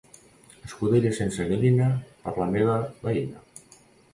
Escudella sense gallina, per la meva veïna.